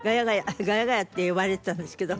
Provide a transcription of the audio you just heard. ガヤガヤって呼ばれてたんですけど。